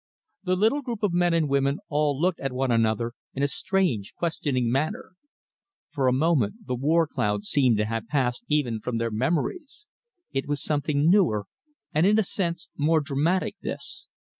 The little group of men and women all looked at one another in a strange, questioning manner. For a moment the war cloud seemed to have passed even from their memories. It was something newer and in a sense more dramatic, this.